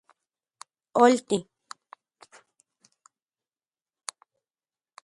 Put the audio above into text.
Olti.